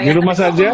di rumah saja